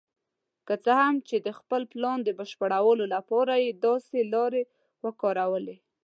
که څه هم چې د خپل پلان د بشپړولو لپاره یې داسې لارې وکارولې.